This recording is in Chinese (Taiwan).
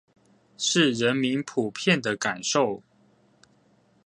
是人民普遍的感受